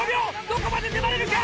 どこまで粘れるか？